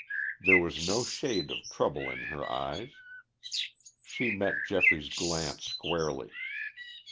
There was no shade of trouble in her eyes. She met Geoffrey's glance squarely.